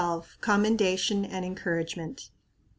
COMMENDATION AND ENCOURAGEMENT.